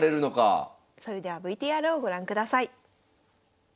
それではＶＴＲをご覧ください。